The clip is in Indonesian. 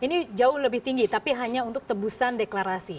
jadi jauh lebih tinggi tapi hanya untuk tebusan deklarasi